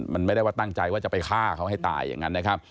มันไม่ได้ว่าตั้งใจว่าจะไปฆ่าเขาให้ตายอย่างนั้นนะครับ